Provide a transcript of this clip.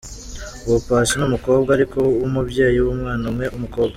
Ubu Paccy ni umukobwa ariko w'umubyeyi w’umwana umwe w’umukobwa.